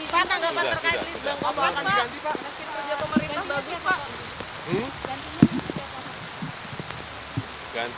pak tanggapan terkait